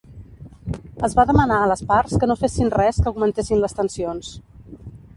Es va demanar a les parts que no fessin res que augmentessin les tensions.